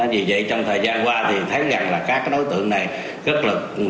vì vậy trong thời gian qua thì thấy rằng là các cái đối tượng này rất là hung hãng